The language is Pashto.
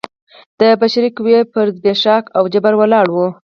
د بشري قوې پر زبېښاک او جبر ولاړ و.